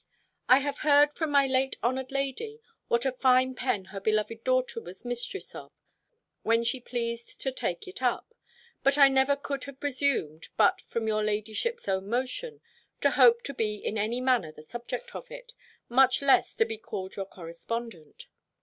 I have heard from my late honoured lady, what a fine pen her beloved daughter was mistress of, when she pleased to take it up. But I never could have presumed, but from your ladyship's own motion, to hope to be in any manner the subject of it, much less to be called your correspondent.